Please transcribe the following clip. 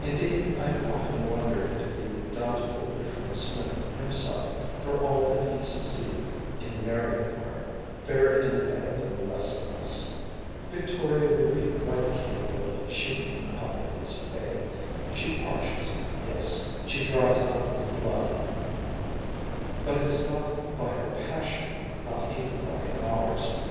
Indeed, I've often wondered if the redoubtable Ephraim Smith himself, for all that he succeeded in marrying her, fared any better than the rest of us. Victoria would be quite capable of cheating him out of his pay. She parches, yes, she dries up the blood but it's not by her passion, not even by ours.